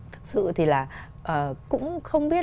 thực sự thì là cũng không biết